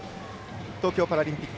東京パラリンピック